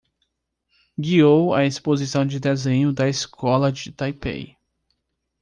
Guiou a exposição de desenho da escola de Taipei